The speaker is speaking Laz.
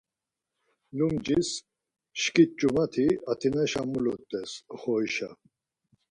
Lumcis şkit cumati Atinaşa mulut̆es, oxorişa.